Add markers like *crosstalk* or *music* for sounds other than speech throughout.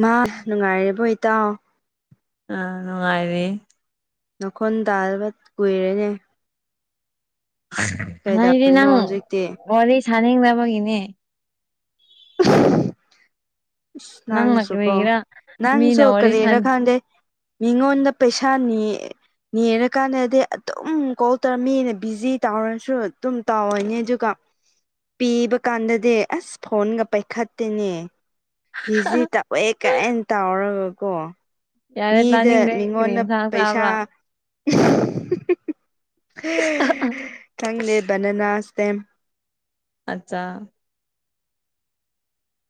ꯃꯥ ꯅꯨꯡꯉꯥꯏꯔꯤꯕꯣ ꯏꯇꯥꯎ ꯑꯥ ꯅꯨꯡꯉꯥꯏꯔꯤ ꯅꯅꯥꯈꯣꯟ ꯇꯥꯕ ꯀꯨꯏꯔꯦꯅꯦ ꯍꯔꯤ ꯀꯩꯗꯧꯔꯤꯅꯣ ꯅꯪ ꯍꯧꯖꯤꯛꯇꯤ ꯋꯥꯔꯤ ꯁꯅ ꯍ ꯂꯕꯒꯅꯦ ꯑꯁ ꯅꯪꯅ ꯅꯪꯁꯨ ꯀꯣ ꯀꯔꯤꯒꯤꯔꯥ ꯅꯅꯥꯪꯁꯨ ꯃꯤꯅ ꯋꯥꯔꯤ ꯀꯔꯤꯔ ꯁꯥꯅꯤ ꯈꯥꯟꯗꯦ ꯃꯤꯉꯣꯟꯗ ꯄꯩꯁꯥꯅꯤ ꯅꯦꯔꯀꯥꯟꯗꯗꯤ ꯑꯗꯨꯝ ꯀꯣꯛ ꯇꯧꯔꯝꯅꯤꯅ ꯕꯤꯖꯤ ꯇꯧꯔꯁꯨ ꯑꯗꯨꯝ ꯇꯧꯔꯅꯤ ꯑꯗꯨꯒ ꯄꯤꯕ ꯀꯥꯟꯗꯗꯤ ꯑꯁ ꯐꯣꯟꯒ ꯄꯥꯏꯈꯠꯇꯦꯅꯦ ꯕꯤꯖꯤ ꯇꯧꯑꯦ ꯀꯥꯏꯅ ꯇꯥꯎꯔꯒꯀꯣ ꯌꯥꯔꯦ ꯃꯤꯗ ꯇꯥꯅꯤꯡꯗꯦ ꯀꯔꯤ ꯃꯤꯉꯣꯟꯗ ꯏꯟꯁꯥꯡ ꯄꯩꯁꯥ ꯆꯥꯕ꯭ꯔꯥ ꯈꯪꯗꯦ ꯕꯅꯅꯥꯁꯇꯦꯝ ꯑꯆꯥ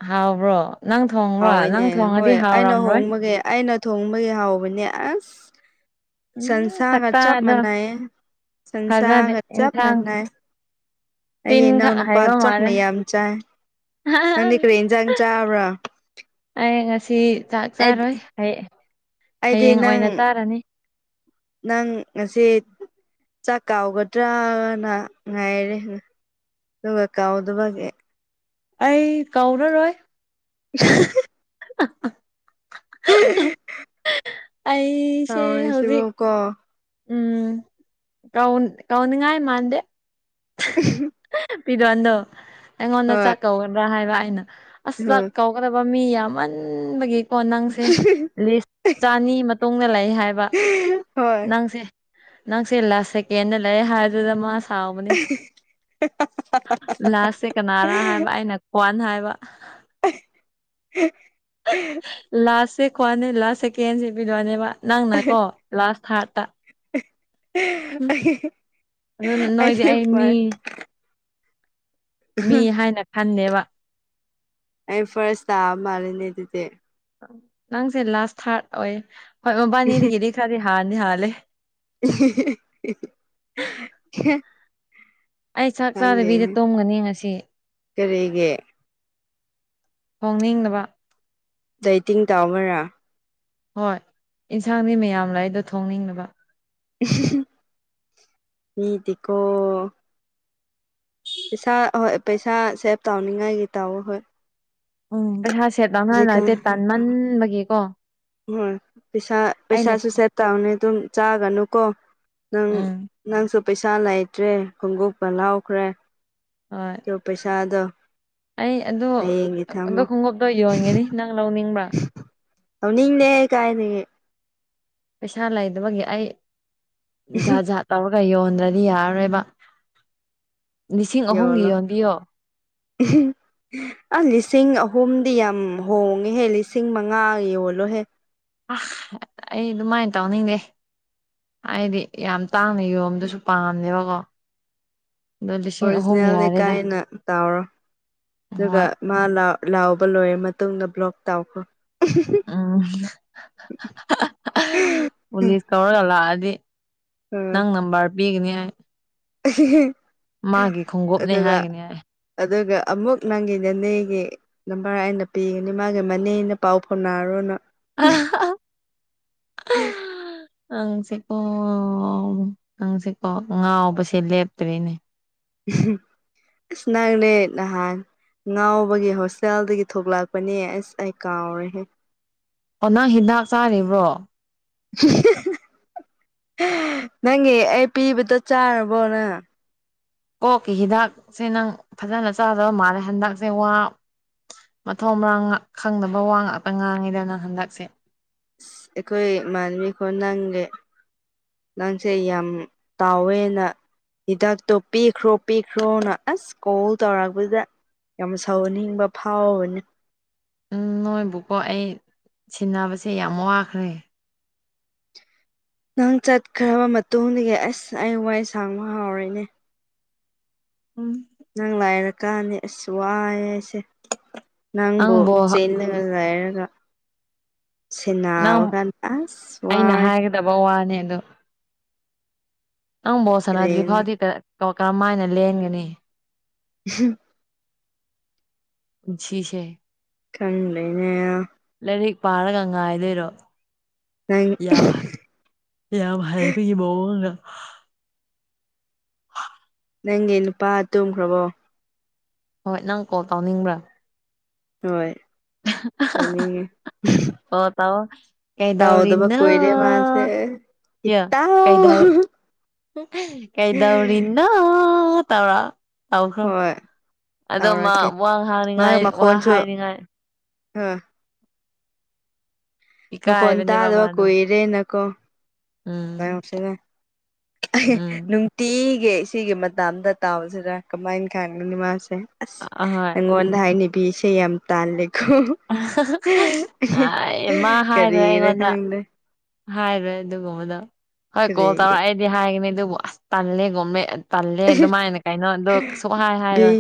ꯍꯥꯎꯕ꯭ꯔꯣ ꯅꯪ ꯊꯣꯡꯕ꯭ꯔꯣ ꯅꯪ ꯍꯥꯎꯋꯏꯅꯦ ꯊꯣꯡꯉꯗꯤ ꯍꯣꯏ ꯑꯩꯅ ꯍꯥꯎꯔꯝꯔꯣꯏ ꯍꯣꯡꯕꯒꯤ ꯑꯩꯅ ꯊꯣꯡꯕꯒꯤ ꯍꯥꯎꯕꯅꯦ ꯑꯁ ꯎꯝ ꯁꯟꯁꯥꯒꯔ ꯆꯞ ꯁꯛꯇꯥꯗꯣ ꯃꯅꯥꯏ ꯊꯥꯖꯗꯦ ꯁꯁꯥꯒꯔ ꯆꯞ ꯏꯟꯁꯥꯡ ꯃꯅꯏ ꯑꯩ ꯆꯤꯟ ꯏꯅꯥꯎ ꯈꯛ ꯅꯨꯄꯥ ꯍꯩꯕ ꯆꯥꯛ ꯃꯥꯜꯂꯦ ꯃ ꯌꯥꯝ ꯆꯥꯏ ꯅꯅꯤ ꯀꯔ ꯌꯦꯟꯁꯥꯡ ꯆꯥꯕ꯭ꯔꯥ ꯑꯩ ꯉꯁꯤ ꯆꯥꯛ ꯑꯩꯗꯤ ꯆꯥꯔꯣꯏ ꯑꯩꯗꯤ ꯍꯌꯦꯡ ꯅꯪ ꯑꯣꯏꯅ ꯆꯥꯔꯅꯤ ꯅꯪ ꯉꯁꯤ ꯆꯥꯛ ꯀꯥꯎꯒꯗ꯭ꯔꯅ ꯉꯥꯏꯔꯦ ꯍꯒ ꯀꯥꯎꯗꯕꯦ ꯑꯩ ꯀꯥꯎꯅꯔꯣꯏ *unintelligible* ꯑ ꯑ ꯎꯝ ꯎꯝ ꯑꯩ ꯇꯧꯔꯤꯁꯤꯕ ꯀꯣ ꯎꯝ ꯀꯟ ꯀꯧꯅꯤꯡꯉꯥꯏ ꯃꯥꯗꯦ ꯄꯤꯔꯣ ꯑꯗꯣ ꯑꯩꯉꯣꯟꯗ ꯍꯣꯏ ꯆꯥꯛ ꯀꯧꯒꯗ꯭ꯔꯥ ꯍꯥꯏꯕ ꯑꯩꯅ ꯑꯁ ꯆꯥꯛ ꯍꯣꯏ ꯀꯧ ꯊꯣꯛꯀꯗꯕ ꯃꯤ ꯌꯥꯝꯃꯟꯕꯒꯤꯀꯣ ꯅꯪꯁꯦ ꯂꯤꯁ ꯆꯅꯤ ꯃꯇꯨꯡꯗ ꯂꯩ ꯍꯥꯏꯕ ꯍꯣꯏ ꯅꯪꯁꯦ ꯅꯪꯁꯦ ꯂꯥꯁ ꯁꯦꯀꯦꯟꯗ ꯂꯩ ꯍꯥꯏꯗꯨꯗ ꯃꯥ ꯁꯥꯎꯕꯅꯤ ꯂꯥꯁꯁꯦ ꯀꯅꯥꯔꯥ ꯍꯥꯏꯕ ꯑꯩꯅ ꯀ꯭ꯋꯥꯟ ꯍꯥꯏꯕ *unintelligible* ꯂꯥꯁꯁꯦ ꯈꯣꯋꯥꯅꯦ ꯂꯥꯁ ꯁꯦꯀꯦꯟꯁꯦ ꯄꯤꯔꯛꯅꯦꯕ ꯅꯪꯅꯀꯣ ꯂꯥꯁ ꯊꯥꯔꯠꯇ ꯎꯝ ꯑꯗꯨꯅ ꯅꯣꯏꯗꯤ ꯑꯦ ꯑꯩ ꯄ ꯃꯤ ꯃꯤ ꯍꯥꯏꯅ ꯈꯟꯗꯦꯕ ꯑꯩ ꯐꯥꯔꯁ ꯇꯥꯑꯕ ꯃꯥꯜꯂꯤꯅꯦ ꯑꯗꯨꯗꯤ ꯅꯪꯁꯦ ꯂꯥꯁ ꯊꯥꯔꯠ ꯑꯣꯏ ꯍꯣꯏ ꯃꯕꯥꯅꯤꯗꯒꯤꯗꯤ ꯈꯔꯗꯤ ꯍꯥꯥꯟꯗꯤ ꯍꯥꯜꯂꯦ ꯎ ꯑꯩ ꯆꯥꯛ ꯆꯥꯗꯕꯤꯗ ꯈꯪꯗꯦꯅꯦ ꯇꯣꯡꯒꯅꯤ ꯉꯁꯤ ꯀꯔꯤꯒꯤ ꯍꯣꯡꯅꯤꯡꯅꯕ ꯗꯥꯢꯇꯤꯡ ꯇꯧꯃꯔꯥ ꯍꯣꯏ ꯏꯟꯁꯥꯡꯗꯤ ꯃꯌꯥꯝ ꯂꯩꯗꯣ ꯊꯣꯡꯅꯤꯡꯅꯕ ꯃꯤꯗꯤꯀꯣ ꯄꯩꯁꯥ ꯍꯣꯏ ꯄꯩꯁꯥ ꯁꯦꯚ ꯇꯧꯅꯤꯡꯉꯥꯏꯒꯤ ꯇꯥꯑꯣ ꯍꯣꯏ ꯎꯝ ꯄꯩꯁꯥ ꯁꯦꯠꯂꯅꯅ ꯍꯧꯖꯤꯛꯀꯥꯟ ꯅꯠꯇꯦ ꯇꯥꯟꯃꯟꯕꯒꯤꯀꯣ ꯍꯣꯏ ꯄꯩꯁꯥ ꯑꯩꯅ ꯄꯩꯁꯥꯁꯨ ꯁꯦꯚ ꯇꯧꯔꯅꯤ ꯑꯗꯨꯝ ꯆꯥꯒꯅꯨꯀꯣ ꯅꯪ ꯎꯝ ꯅꯪꯁꯨ ꯄꯩꯁꯥ ꯂꯩꯇ꯭ꯔꯦ ꯈꯣꯡꯎꯣꯛꯄ ꯂꯥꯎꯈ꯭ꯔꯦ ꯍꯣꯏ ꯑꯩ ꯑꯗꯨ ꯍꯌꯦꯡꯒꯤ ꯊꯝꯃꯣ ꯑꯣ ꯈꯣꯡꯎꯞꯇꯣ ꯌꯣꯟꯒꯅꯤ ꯅꯪ ꯂꯧꯎꯅꯤꯡꯕ꯭ꯔꯥ ꯅꯤꯅꯦꯦ ꯀꯥꯏꯅꯤ ꯄꯩꯁꯥ ꯂꯩꯗꯕꯒꯤ ꯑꯩ ꯖꯥꯠ ꯖꯥꯠ ꯇꯧꯔꯒ ꯌꯣꯟꯗ꯭ꯔꯗꯤ ꯌꯥꯔꯔꯣꯏꯕ ꯂꯤꯁꯤꯡ ꯑꯍꯨꯝꯒꯤ ꯌꯣꯟꯕꯤꯌꯣ ꯎ ꯑ ꯂꯤꯁꯤꯡ ꯑꯍꯨꯝꯗꯤ ꯌꯥꯝ ꯍꯣꯡꯉꯦꯍꯦ ꯂꯤꯁꯤꯡ ꯃꯉꯥ ꯌꯣꯜꯂꯣꯍꯦ ꯑ ꯑꯩ ꯑꯗꯨꯃꯥꯏꯅ ꯇꯧꯅꯤꯡꯗꯦ ꯍꯥꯏꯗꯤ ꯌꯥꯝ ꯇꯥꯡꯅ ꯌꯣꯝꯗꯨꯁꯨ ꯄꯥꯝꯅꯦꯕꯀꯣ ꯑꯣꯔꯤꯖꯤꯅꯦꯜ ꯂꯩ ꯌꯥꯔꯦꯗ ꯀꯥꯏꯅ ꯇꯥꯎꯔꯣ ꯑꯗꯨꯒ ꯍꯣꯏ ꯃꯥ ꯂꯥꯎꯕ ꯂꯣꯏꯔ ꯃꯇꯨꯡꯗ ꯕ꯭ꯂꯣꯛ ꯇꯥꯎꯈꯣ ꯎꯝ ꯄꯨꯂꯤꯁ ꯀꯧꯔꯒ ꯂꯥꯛꯑꯗꯤ ꯅꯪ ꯅꯝꯕꯔ ꯄꯤꯒꯅꯤ ꯍꯥꯏ ꯍ ꯃꯥꯒꯤ ꯈꯣꯡꯎꯞꯅꯦ ꯍꯥꯏꯒꯅꯤ ꯑꯗꯨꯒ ꯑꯃꯨꯛ ꯅꯪꯒꯤ ꯅꯦꯅꯦꯒꯤ ꯅꯝꯕꯔ ꯑꯩꯅ ꯄꯤꯒꯅꯤ ꯃꯥꯒꯤ ꯃꯅꯦꯅ ꯄꯥꯎ ꯐꯥꯎꯅꯔꯣꯅ ꯑ ꯅꯪꯁꯤꯀꯣ ꯅꯪꯁꯤꯀꯣ ꯉꯥꯎꯕꯁꯦ ꯂꯦꯞꯇ꯭ꯔꯤꯅꯦ ꯁ ꯅꯪꯅꯦ ꯅꯍꯥꯟ ꯉꯥꯎꯕꯒꯤ ꯍꯣꯁꯇꯦꯜꯗꯒꯤ ꯊꯣꯛꯂꯛꯄꯅꯦ ꯑꯁ ꯑꯩ ꯀꯥꯎꯔꯦꯍꯦ ꯀꯅꯥꯛ ꯍꯤꯗꯥꯛ ꯆꯥꯔꯤꯕ꯭ꯔꯣ *unintelligible* ꯅꯪꯒꯤ ꯑꯩ ꯄꯤꯕꯗꯣ ꯆꯥꯔꯕꯣ ꯅꯪ ꯀꯣꯛꯀꯤ ꯍꯤꯗꯥꯛꯁꯦ ꯅꯪ ꯐꯖꯅ ꯆꯥꯗꯕ ꯃꯥꯜꯂꯦ ꯍꯟꯗꯛꯁꯦ ꯋꯥ ꯃꯊꯣꯡ ꯃꯔꯝ ꯈꯪꯗꯕ ꯋꯥ ꯉꯥꯛꯇ ꯉꯥꯡꯉꯤꯗ ꯅꯪ ꯍꯟꯗꯛꯁꯦ ꯑꯩꯈꯣꯏ ꯃꯥꯟꯕꯤ ꯈꯣꯟ ꯅꯪꯒꯤ ꯅꯪꯁꯦ ꯌꯥꯝ ꯇꯥꯎꯋꯦꯅ ꯍꯤꯗꯥꯛꯇꯣ ꯄꯤꯈ꯭ꯔꯣ ꯄꯤꯈ꯭ꯔꯣꯅ ꯑꯁ ꯀꯣꯜ ꯇꯧꯔꯛꯄꯗ ꯌꯥꯝ ꯁꯧꯍꯟꯅꯤꯡꯕ ꯐꯥꯎꯕꯅꯤ ꯎꯝ ꯅꯣꯏꯕꯨꯀꯣ ꯑꯩ ꯁꯤꯟꯅꯕꯁꯦ ꯌꯥꯝ ꯋꯥꯈ꯭ꯔꯦ ꯅꯪ ꯆꯠꯈ꯭ꯔꯕ ꯃꯇꯨꯡꯗꯒꯤ ꯑꯁ ꯑꯩ ꯋꯥꯏ ꯁꯪꯕ ꯍꯥꯎꯔꯅꯦ ꯎꯝ ꯅꯪ ꯂꯥꯏꯔꯀꯥꯟꯅꯤ ꯑꯁ ꯋꯥꯏꯑꯦ ꯑꯩꯁꯦ ꯅꯪꯕꯨ ꯆꯦꯜꯂꯒ ꯈ ꯂꯩꯔꯒ ꯁꯦꯟꯅꯕ ꯀꯥꯟꯗ ꯑꯁ ꯋꯥꯔꯦ ꯗꯕ ꯋꯥꯅꯦ ꯑꯗꯨ ꯅꯪ ꯕꯣꯜ ꯁꯥꯟꯅꯗ꯭ꯔꯤ ꯀꯔꯤꯅꯣ ꯐꯥꯎꯗꯤ ꯀ ꯀꯔꯝꯃꯥꯏꯅ ꯂꯦꯟꯒꯅꯤ ꯍ ꯁꯤꯁꯦ ꯈꯪꯗꯦꯅꯦ ꯂꯥꯏꯔꯤꯛ ꯄꯥꯔꯒ ꯉꯥꯏꯗꯣꯏꯔꯣ ꯅꯪ ꯌꯥꯝ ꯌꯥꯝ ꯍꯩꯪꯕꯒꯤ ꯃꯑꯣꯡꯗ *unintelligible* ꯅꯪꯒꯤ ꯅꯨꯄꯥ ꯇꯨꯝꯈ꯭ꯔꯕꯣ ꯍꯣꯏ ꯅꯪ ꯀꯣꯜ ꯇꯧꯅꯤꯡꯕ꯭ꯔꯥ ꯍꯣꯏ ꯇꯨꯝꯅꯤꯡꯉꯦ ꯑꯣ ꯇꯧꯑꯣ ꯇꯥꯎꯗꯕ ꯀꯩꯗꯧꯔꯤꯅꯣ ꯀꯨꯏꯔꯦ ꯃꯥꯁꯦ ꯌꯥ ꯏꯇꯥꯎ ꯀꯩꯗꯧ ꯀꯩꯗꯧꯔꯤꯅꯣ ꯇꯧꯔ ꯇꯧꯈ꯭ꯔꯣ ꯍꯣꯏ ꯑꯗꯣ ꯃꯥ ꯇꯧꯔꯛꯀꯦ ꯋꯥ ꯍꯥꯏꯅꯤꯡꯉꯥꯏ ꯋꯥ ꯍꯥꯏꯅꯤꯡꯉꯥꯏ ꯍ ꯃꯈꯣꯟ ꯏꯀꯥꯏꯕꯅꯦꯕ ꯇꯥꯗꯕ ꯃꯥꯗꯣ ꯀꯨꯏꯔꯦꯅꯀꯣ ꯎꯝ ꯇꯥꯏꯁꯤꯗ ꯎꯝ ꯅꯨꯇꯤꯒꯤ ꯁꯤꯒꯤ ꯃꯇꯝꯗ ꯇꯥꯎꯁꯤꯔ ꯀꯃꯥꯏ ꯈꯥꯡꯒꯅꯤ ꯃꯥꯁꯦ ꯑꯁ ꯑꯍꯣꯏ ꯅꯪꯉꯣꯟ ꯍꯥꯏꯅꯕꯤꯁꯦ ꯌꯥꯝ ꯇꯥꯜꯂꯦꯀꯣ ꯃ ꯍꯥꯏꯔꯣꯏ ꯀꯔꯤꯒꯤꯔ ꯑꯩꯉꯣꯟꯗ ꯈꯪꯗꯦ ꯍꯥꯏꯔꯣꯏ ꯑꯗꯨꯒꯨꯝꯕꯗꯨ ꯍꯣꯏ ꯀꯣꯜ ꯀꯔꯤꯒꯤ ꯇꯧꯔꯛꯑꯦ ꯗꯤ ꯍꯥꯏꯒꯅꯤ ꯑꯗꯨꯕꯨ ꯑꯁ ꯇꯜꯂꯦꯒꯨꯝꯃꯦ ꯇꯜꯂꯦ ꯑꯗꯨꯃꯥꯏꯅ ꯀꯩꯅꯣꯗꯨ ꯁꯨꯛꯍꯥꯏ ꯕꯤ ꯍꯥꯏꯔꯣꯏ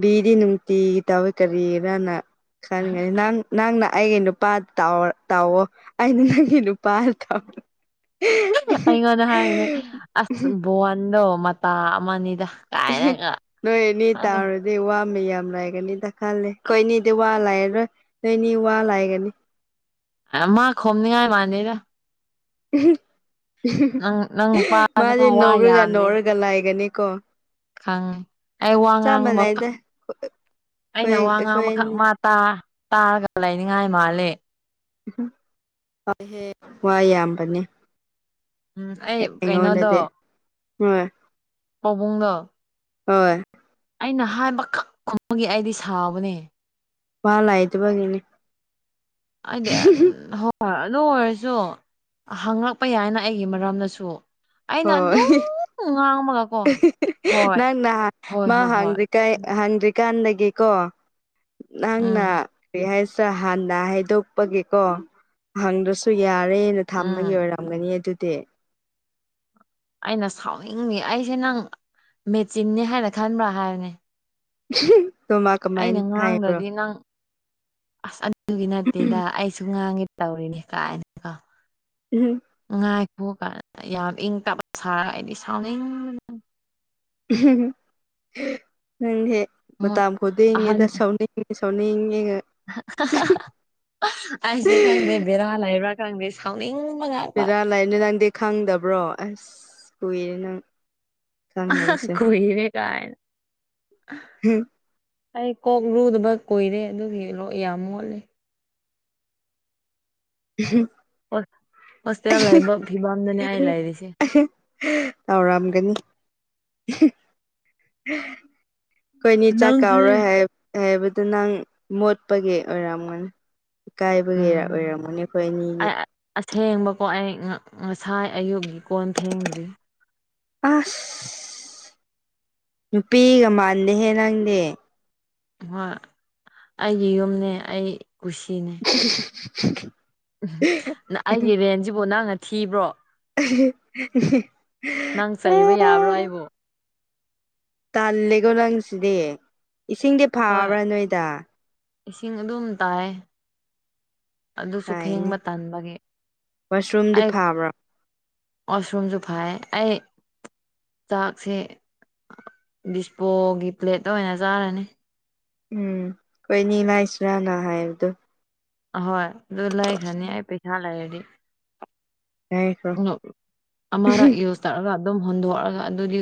ꯕꯤꯗꯤ ꯅꯨꯡꯇꯤꯒꯤ ꯇꯧꯋꯦ ꯀꯔꯤꯔꯅ ꯈꯪꯉꯅꯤ ꯅꯪ ꯅꯪꯅ ꯑꯩꯒꯤ ꯅꯨꯄꯥꯗ ꯇꯥꯎ ꯇꯥꯎꯋꯣ ꯑꯩꯅ ꯅꯪꯒꯤ ꯅꯨꯄꯥ ꯇ ꯑꯩꯉꯣꯟꯗ ꯍꯥꯏꯅꯦ ꯑꯁ ꯕꯣꯟꯗꯣ ꯃꯇꯥ ꯑꯃꯅꯤꯗ ꯀꯥꯏꯅꯒ ꯅꯣꯏꯅꯤ ꯈꯪꯗꯦ ꯇꯧꯔꯗꯤ ꯋꯥ ꯃꯌꯥꯝ ꯂꯩꯒꯅꯤꯗ ꯈꯂꯦ ꯀꯣꯏꯅꯤꯗꯤ ꯋꯥ ꯂꯩꯔꯔꯣꯏ ꯅꯣꯏꯅꯤ ꯋꯥ ꯂꯩꯒꯅꯤ ꯃꯥ ꯈꯣꯝꯅꯤꯉꯥꯏ ꯃꯥꯥꯟꯅꯤꯗ ꯅꯪ ꯅꯪ ꯃꯥꯗꯤ ꯅꯨꯄꯥꯗꯨꯀꯣ ꯋꯥ ꯅꯧꯔꯒ ꯅꯧꯔꯒ ꯂꯥꯏꯒꯅꯤꯀꯣ ꯈꯪꯉꯤ ꯑꯩ ꯋꯥ ꯆꯞ ꯉꯥꯡꯕꯈꯛ ꯃꯥꯟꯅꯩꯗ ꯑꯩꯈꯣꯏ ꯑꯩꯅ ꯋꯥ ꯑꯩꯈꯣꯏ ꯉꯥꯡꯕꯈꯛ ꯑꯅꯤ ꯇꯥ ꯇꯥꯔꯒ ꯂꯩꯅꯤꯡꯉꯥꯏ ꯃꯥꯂꯦ ꯎ ꯋꯥꯏꯍꯦ ꯋꯥ ꯌꯥꯝꯕꯅꯦ *unintelligible* ꯎꯝ ꯑꯩ ꯀꯩꯅꯣꯗꯣ ꯑꯩꯉꯣꯟꯗꯗꯤ ꯍꯣꯏ ꯄꯥꯕꯨꯡꯗꯣ ꯍꯣꯏ *unintelligible* ꯑꯩꯅ ꯍꯥꯏꯕ ꯈꯛ ꯈꯨꯝꯕꯒꯤ ꯑꯩꯗꯤ ꯁꯥꯎꯕꯅꯦ ꯄ ꯂꯩꯇꯕꯒꯤꯅꯤ ꯑꯩꯗꯤ ꯑꯟ ꯍꯣ *unintelligible* ꯑꯗꯨ ꯑꯣꯏꯔꯁꯨ ꯍꯪꯪꯂꯛꯄ ꯌꯥꯏꯅ ꯑꯩꯒꯤ ꯃꯔꯝꯗꯁꯨ ꯑꯩꯅ ꯍꯣꯏ ꯑꯗꯨꯝ ꯉꯥꯡꯕꯒꯀꯣ ꯍꯣꯏ ꯅꯪ ꯅꯍꯥꯟ ꯍꯣꯏ ꯃꯥ ꯍꯣꯏ ꯍꯣꯏ ꯍꯥꯡꯖꯤꯛ ꯀ ꯍꯪꯗ꯭ꯔꯤꯀꯥꯟꯗꯒꯤꯀꯣ ꯅꯪꯅ ꯎꯝ ꯀꯔꯤ ꯍꯥꯏꯁꯤ ꯍꯥꯟꯅ ꯍꯥꯏꯗꯣꯛꯄꯒꯦꯀꯣ ꯍꯪꯗ꯭ꯔꯁꯨ ꯁꯨ ꯌꯥꯔꯦꯅ ꯊꯝꯕꯒꯤ ꯎꯝ ꯑꯣꯏꯔꯝꯒꯅꯤ ꯑꯗꯨꯗꯤ ꯑꯩꯅ ꯁꯥꯎꯅꯤꯡꯉ ꯑꯩꯁꯦ ꯅꯪ ꯃꯦꯆꯤꯟꯅꯤ ꯍꯥꯏꯅ ꯈꯟꯕ꯭ꯔꯥ ꯍꯥꯏꯕꯅꯤ ꯑꯣꯃ ꯀꯃꯥꯏꯅ ꯍꯥꯏꯕ꯭ꯔꯣ ꯉꯥꯡꯗ꯭ꯔꯗꯤ ꯅꯪ ꯑꯁ ꯑꯗꯨꯒꯤ ꯅꯠꯇꯦꯗ ꯑꯩꯁꯨ ꯉꯥꯡꯉꯦ ꯇꯧꯔꯤꯅꯦ ꯀꯥꯏꯅꯀꯣ ꯎꯝ *inaudible* ꯉꯥꯏꯈꯣ ꯒꯥꯏꯅ ꯌꯥꯝ ꯏꯪ ꯇꯞ ꯁꯥꯔꯒ ꯑꯩꯗꯤ ꯁꯥꯎꯅꯤꯡ ꯅꯪ ꯍꯦꯛ ꯃꯇꯥ ꯃꯣꯏ ꯑꯍꯟ ꯈꯣꯗꯤꯡꯉꯦꯗ ꯁꯥꯎꯅꯤꯡ *unintelligible* ꯁꯥꯎꯅꯤꯡ ꯉꯦ ꯉꯥ *unintelligible* ꯑꯩꯁꯦ ꯈꯪꯗꯦ ꯕꯦꯔꯥ ꯂꯩꯕ꯭ꯔꯥ ꯈꯪꯗꯦ ꯁꯥꯎꯅꯤꯡꯕꯒ ꯕꯦꯔꯥ ꯂꯥꯏꯅꯦ ꯅꯪꯗꯤ ꯈꯪꯗꯕ꯭ꯔꯣ ꯑꯁ ꯀꯨꯏꯔꯦ ꯅꯪ ꯈꯪꯗꯕꯁꯦ ꯀꯏ *unintelligible* ꯀꯥꯏ ꯑꯩ ꯀꯣꯛ ꯂꯨꯗꯕ ꯀꯨꯏꯔꯦ ꯑꯗꯨꯒꯤ ꯀꯣꯛ ꯌꯥꯝ ꯃꯣꯠꯂꯦ ꯎꯝ ꯍꯣꯁꯇꯦꯜ ꯂꯩꯕ ꯐꯤꯕꯝꯗꯅꯦ ꯑꯩ ꯂꯩꯔꯤꯁꯦ ꯇꯥꯎꯔꯝꯒꯅꯤ ꯀꯣꯏꯅꯤ ꯆꯥꯛ ꯅꯪꯁꯦ ꯀꯥꯎꯔꯣꯏ ꯍꯥꯏ ꯍꯥꯏꯕꯗꯨꯣ ꯅꯪ ꯃꯣꯠꯄꯒꯤ ꯑꯣꯏꯔꯝꯒꯅꯤ ꯏꯀꯥꯏꯕꯒꯤ ꯎꯝ ꯑꯣꯏꯔꯝꯃꯅꯦ ꯑꯩꯈꯣꯏ ꯑꯅꯤꯒꯤ ꯑꯩ ꯑꯁꯦꯡꯕꯀꯣ ꯑꯩ ꯉꯁꯥꯏ ꯑꯌꯨꯛꯀꯤ ꯀꯣꯟ ꯊꯦꯡꯗ꯭ꯔꯤ ꯑꯁ ꯅꯨꯄꯤꯒ ꯃꯥꯟꯗꯦꯍꯦ ꯅꯪꯗꯤꯦ ꯍꯣꯏ ꯑꯩꯒꯤ ꯌꯨꯝꯅꯦ ꯑꯩ ꯀꯨꯁꯤꯅꯦ ꯎꯝ *inaudible* ꯎꯝ ꯑꯩꯒꯤ ꯔꯦꯟꯁꯤꯕꯨ ꯅꯪꯅ ꯊꯤꯕ꯭ꯔꯣ ꯑ ꯅꯪ ꯆꯩꯕ ꯌꯥꯕ꯭ꯔꯣ ꯑꯩꯕꯨ ꯇꯜꯂꯦꯀꯣ ꯂꯪꯁꯤꯗꯤ ꯏꯁꯤꯡꯗꯤ ꯍꯣꯏ ꯐꯥꯕ꯭ꯔꯥ ꯅꯣꯏꯗ ꯏꯁꯤꯡ ꯑꯗꯨꯝ ꯇꯥꯏ ꯑꯗꯨꯁꯨ ꯀꯥꯏꯅꯦ ꯐꯦꯡꯕ ꯇꯥꯟꯕꯒꯤ ꯋꯥꯁꯔꯨꯝꯗꯤ ꯑꯩ ꯐꯥꯕ꯭ꯔꯥ ꯃꯁꯔꯨꯝꯁꯨ ꯐꯩ ꯑꯩ ꯆꯥꯛꯁꯤ ꯗꯤꯁꯄꯣꯒꯤ ꯄ꯭ꯂꯦꯠ ꯑꯣꯏꯅ ꯆꯥꯔꯅꯤ ꯎꯝ ꯑꯩꯣꯏꯅꯤ ꯂꯥꯏꯁꯤꯔꯥꯅ ꯍꯥꯏꯕꯗꯣ ꯑꯍꯣꯏ ꯑꯗꯨ ꯂꯩꯈ꯭ꯔꯅꯤ ꯑꯩ ꯄꯩꯁꯥ ꯂꯩꯔꯗꯤ ꯂꯥꯏꯈ꯭ꯔꯣ ꯑꯔ ꯌ ꯆꯠꯔꯒ ꯑꯗꯨꯝ ꯍꯨꯟꯗꯣꯛꯑꯒ ꯑꯗꯨꯗꯤ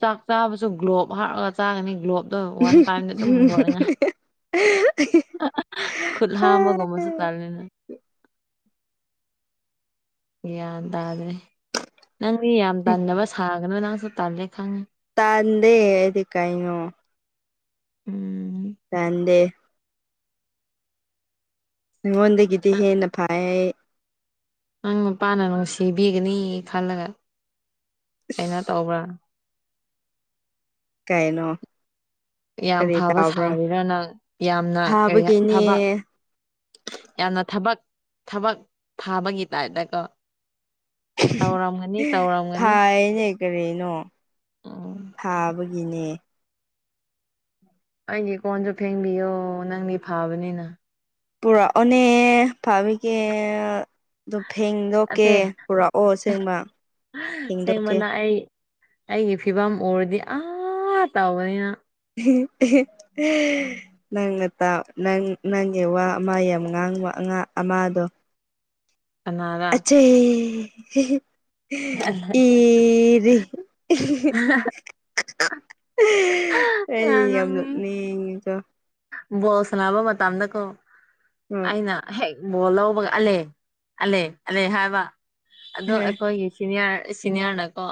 ꯆꯥꯛ ꯆꯥꯕꯁꯨ ꯒ꯭ꯂꯣꯞ ꯍꯥꯔꯒ ꯆꯥꯒꯅꯤ ꯒ꯭ꯂꯣꯞ ꯑ ꯋꯥꯟ ꯇꯥꯏꯝꯗꯤ ꯑꯗꯨꯝ ꯍꯨꯗꯣꯛꯑꯅꯤꯉ ꯈꯨꯨꯠ ꯍꯥꯥ ꯑꯃꯒꯃꯁꯨ ꯀꯥꯅ ꯒ꯭ꯌꯥꯟ ꯇꯥꯔꯦ ꯅꯪꯗꯤ ꯌꯥꯝ ꯇꯟꯅꯕ ꯁꯥꯒꯅ ꯅꯪꯁꯨ ꯇꯜꯂꯦ ꯈꯪꯉꯦ ꯇꯥꯟꯗꯦꯗꯤ ꯀꯥꯏꯉꯣ ꯎꯝ ꯇꯗꯦ ꯑꯩꯉꯣꯟꯗꯒꯤꯗꯤ ꯍꯦꯟꯅ ꯐꯩ ꯅꯪ ꯃꯄꯥꯅ ꯅꯨꯡꯁꯤꯕꯤꯒꯅꯤ ꯈꯜꯂꯒ ꯀꯩꯅꯣ ꯇꯧꯕ꯭ꯔꯥ ꯀꯥꯏꯩꯅꯣ ꯌꯥꯝ ꯐꯕ ꯁꯥꯔꯤꯔꯅ ꯌꯥꯝꯅ ꯀꯔꯤ ꯐꯥꯕꯒꯤꯅꯦ ꯊꯕꯛ ꯌꯥꯝꯅ ꯊꯕꯛ ꯊꯕꯛ ꯐꯥꯕꯒꯤ ꯇꯥꯏꯞꯇꯀꯣ ꯇꯧꯔꯝꯒꯅꯤ ꯇꯧꯔꯝꯒꯅꯤ ꯐꯥꯏꯅꯦ ꯀꯔꯤꯩꯅꯣ ꯑꯣ ꯊꯥꯕꯒꯤꯅꯦ ꯑꯩꯒꯤ ꯀꯣꯟꯁꯨ ꯐꯦꯡꯕꯤꯌꯣ ꯅꯪꯗꯤ ꯐꯕꯅꯤꯅ ꯄꯨꯔꯛꯑꯣꯅꯦ ꯐꯥꯕꯤꯒꯦ ꯑꯗꯨꯝ ꯐꯦꯡꯗꯣꯛꯀꯦ ꯑꯁꯦ ꯄꯨꯔꯛꯑꯣ ꯑꯁꯦꯡꯕ ꯐꯦꯡꯗꯣꯛꯀꯦ ꯑꯁꯦꯡꯕꯅ ꯑꯩ ꯑꯩꯒꯤ ꯐꯤꯕꯝ ꯎꯔꯗꯤ ꯑꯥ ꯇꯧꯒꯔꯅꯤ ꯅꯪ ꯝ ꯅꯪ ꯉ ꯅꯪ ꯅꯪꯒꯤ ꯋꯥ ꯑꯃ ꯌꯥꯝ ꯉꯥꯡꯕ ꯑꯃꯗꯣ ꯀꯅꯥꯔ ꯑꯆꯦ ꯏ ꯑꯩ ꯌꯥꯝ ꯂꯨꯞꯅꯤꯡꯉꯗ ꯕꯣꯜ ꯁꯥꯟꯅꯕ ꯃꯇꯝꯗꯀꯣ ꯑꯩꯅ ꯍꯦꯛ ꯕꯣꯜ ꯂꯧꯕꯒ ꯑꯂꯦ ꯑꯂꯦ ꯑꯂꯦ ꯍꯥꯏꯕ ꯍꯣꯏ ꯑꯣ ꯑꯩꯈꯣꯏꯒꯤ ꯁꯤꯅꯤꯌꯔ ꯁꯤꯅꯤꯌꯔꯅꯀꯣ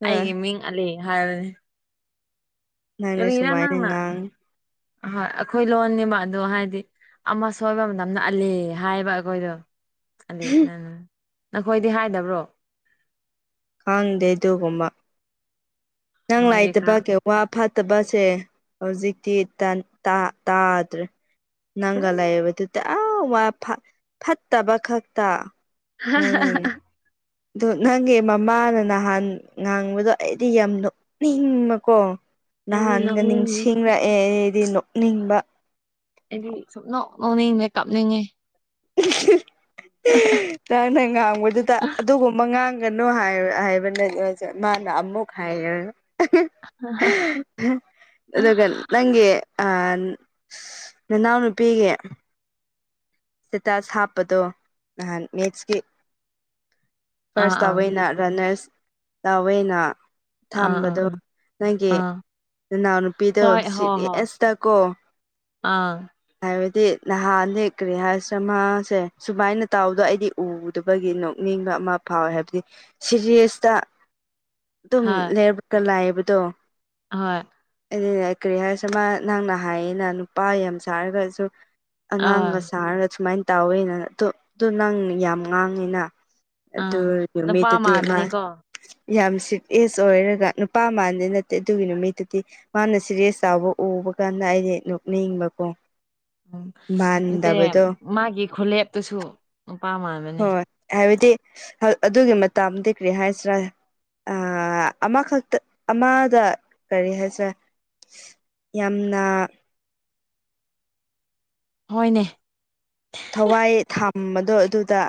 ꯍꯣꯏ ꯑꯩꯒꯤ ꯃꯤꯡ ꯑꯂꯤ ꯍꯥꯏꯔꯅꯤ ꯅꯪꯅ ꯀꯔꯤꯔ ꯁꯨꯃꯥꯏꯅ ꯅꯪꯅ ꯉꯥꯡ ꯍꯣꯏ ꯑꯩꯈꯣꯏ ꯂꯣꯟꯅꯦꯕ ꯑꯗꯣ ꯍꯥꯏꯗꯤ ꯑꯃ ꯁꯣꯏꯕ ꯃꯇꯝꯗ ꯑꯥꯜꯂꯦ ꯍꯥꯏꯕ ꯑꯩꯈꯣꯏꯗꯣ ꯅꯈꯣꯏꯗꯤ ꯍꯥꯏꯗꯕ꯭ꯔꯣ ꯈꯪꯗꯦ ꯑꯗꯨꯒꯨꯝꯕ ꯅꯪ ꯅꯣꯏꯗꯤ ꯈꯔ ꯂꯩꯥꯏꯇꯕꯒꯤ ꯋꯥ ꯐꯠꯇꯕꯁꯦ ꯍꯧꯖꯤꯛꯇꯤ ꯇꯥꯗ꯭ꯔꯦ ꯅꯪꯒ ꯂꯩꯕꯗꯨꯗꯤ ꯑ ꯋꯥ ꯐꯠꯇꯕ ꯈꯛꯇ ꯍꯥꯍꯥꯍꯥꯍꯥ ꯑꯣ ꯅꯪꯒꯤ ꯃꯃꯥꯅ ꯅꯍꯥꯟ ꯉꯥꯡꯕꯗꯣ ꯑꯩꯗꯤ ꯌꯥꯝ ꯅꯣꯛ ꯅꯣꯛꯅꯤꯡꯕꯀꯣ ꯑꯩꯗꯤ ꯅꯍꯥꯟꯒ ꯅꯣꯛꯅꯤꯡꯉꯦ ꯅꯤꯡꯁꯤꯡꯂꯛꯑꯦ ꯑꯩꯗꯤ ꯅꯣꯛꯅꯤꯡꯕ ꯑꯩꯗꯤ ꯁꯨꯛꯅꯣꯛ ꯅꯣꯛꯅꯤꯡꯗꯦ ꯀꯞꯅꯤꯡꯉꯦ ꯅꯪꯅ ꯉꯥꯡꯕꯗꯨꯗ ꯑꯗꯨꯒꯨꯝꯕ ꯉꯥꯡ ꯍꯥꯏꯅ ꯑꯃꯃꯨꯛ ꯍꯥꯏꯔꯒꯥ ꯑꯗꯨꯒ ꯅꯪꯒꯤ ꯑ ꯅꯅꯥꯎ ꯅꯨꯄꯤꯒꯤ ꯁꯦꯇꯥꯁ ꯍꯥꯞꯄꯗꯣ ꯅꯍꯥꯟ ꯃꯦꯠꯁꯀꯤ ꯑꯥ ꯐꯥꯔꯁ ꯑꯥ ꯑꯥ ꯇꯥꯋꯏꯅ ꯔꯟꯅꯔꯁ ꯇꯥꯑꯣꯏꯅ ꯑꯥ ꯊꯝꯕꯗꯣ ꯑꯥ ꯅꯪꯒꯤ ꯑꯥ ꯏꯅꯥꯎꯅꯨꯄꯤꯗꯣ ꯍꯣꯏ ꯍꯣꯏ ꯍꯣꯏ ꯁꯤꯔꯤꯁꯇ ꯀꯣ ꯑꯥ ꯍꯥꯏꯕꯗꯤ ꯅꯍꯟꯗꯤ ꯀꯔꯤ ꯍꯥꯏ ꯁꯃꯥꯁꯦ ꯁꯨꯃꯥꯏꯅ ꯇꯥꯎꯗ ꯑꯩꯗꯤ ꯎꯗꯕꯒꯤ ꯅꯣꯛꯅꯤꯡꯕ ꯑꯃ ꯐꯥꯎꯋꯦ ꯍꯥꯏꯕꯗꯤ ꯁꯤꯔꯤꯁꯇ ꯑꯗꯨꯝ ꯍꯣꯏ ꯂꯩꯀ ꯂꯥꯛꯑꯕꯗꯣ ꯍꯣꯏ ꯑꯩꯅꯦ ꯀꯔꯤ ꯍꯥꯏꯔꯁꯨ ꯃꯥ ꯅꯪꯅ ꯍꯥꯏꯌꯦꯅ ꯅꯨꯄꯥ ꯌꯥꯝ ꯁꯥꯔꯒꯁꯨ ꯑꯥ ꯑꯉꯥꯡꯒ ꯁꯥꯔꯒ ꯁꯨꯃꯥꯏꯅ ꯇꯧꯋꯦꯅ ꯑꯗꯨ ꯑꯗꯨ ꯅꯪ ꯌꯥꯝ ꯉꯥꯡꯉꯤꯅ ꯑꯗꯨ ꯑꯥ ꯅꯨꯄꯥ ꯅꯨꯃꯤꯠꯇꯗꯤ ꯃꯥ ꯃꯥꯟꯕꯅꯤꯀꯣ ꯌꯥꯝ ꯁꯤꯐ ꯑꯦꯖ ꯑꯣꯏꯔꯒ ꯅꯨꯄꯥ ꯃꯥꯟꯗꯤ ꯅꯠꯇꯦ ꯑꯗꯨꯒꯤ ꯅꯨꯃꯤꯠꯇꯗꯤ ꯃꯥꯅ ꯁꯦꯔꯦꯁ ꯆꯥꯎꯕ ꯎꯕ ꯀꯥꯟꯗ ꯑꯩꯗꯤ ꯅꯣꯛꯅꯤꯡꯕꯀꯣ ꯎꯝ ꯅꯠꯇꯦ ꯃꯥꯟꯗꯕꯗꯣ ꯃꯥꯒꯤ ꯈꯨꯂꯦꯞꯇꯨꯁꯨ ꯅꯨꯄꯥ ꯃꯥꯟ ꯍꯣꯏ ꯍꯥꯏꯕꯗꯤ ꯑꯗꯨꯒꯤ ꯃꯇꯥꯝꯗꯤ ꯀꯔꯤ ꯍꯥꯏꯁꯤꯔꯥ ꯑꯃꯈꯛꯇ ꯑꯃꯗ ꯀꯔꯤ ꯍꯥꯏꯁꯦꯔꯥ ꯌꯥꯝꯅ ꯍꯣꯏꯅꯦ ꯊꯋꯥꯏ ꯊꯝꯕꯗꯣ ꯑꯗꯨꯗ